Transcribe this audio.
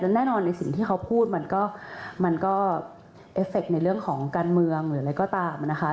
แน่นอนในสิ่งที่เขาพูดมันก็มันก็เอฟเฟคในเรื่องของการเมืองหรืออะไรก็ตามนะคะ